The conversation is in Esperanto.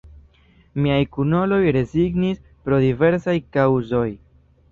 Miaj kunuloj rezignis pro diversaj kaŭzoj.